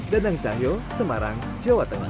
danang cahyo semarang jawa tengah